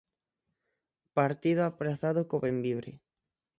Partido aprazado co Bembibre.